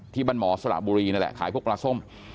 ที่บรรหมอสละบุรีนั่นแหละขายพวกกระส้ม